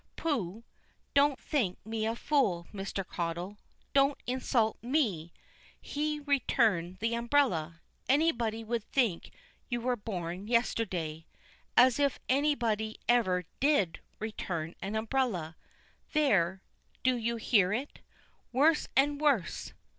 Pooh! don't think me a fool, Mr. Caudle. Don't insult me. He return the umbrella! Anybody would think you were born yesterday. As if anybody ever did return an umbrella! There do you hear it? Worse and worse?